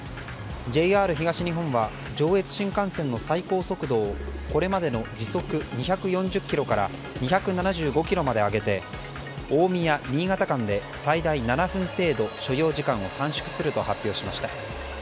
ＪＲ東日本は上越新幹線の最高速度をこれまでの時速２４０キロから２７５キロまで上げて大宮新潟間で最大７分程度、所要時間を短縮すると発表しました。